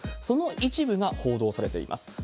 その一部が報道されています。